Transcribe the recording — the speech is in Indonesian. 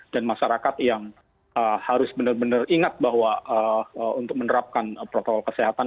dan masyarakat yang harus benar benar ingat bahwa untuk menerapkan protokol kesehatan